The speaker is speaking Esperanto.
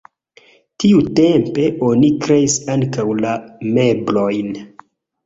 Tiutempe oni kreis ankaŭ la meblojn.